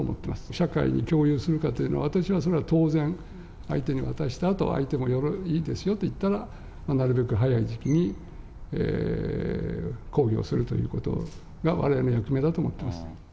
社会に共有するかというのは、私は、それは当然、相手に渡したあと、相手もいいですよと言ったら、なるべく早い時期に公表するということが、われわれの役目だと思っています。